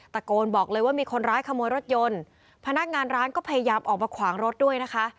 ตะโกนบอกเลยว่ามีคนร้ายขโมยรถยนต์พนักงานร้านก็พยายามออกมาขวางรถด้วยนะคะ